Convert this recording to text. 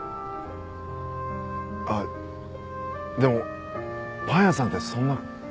あっでもパン屋さんってそんな簡単に。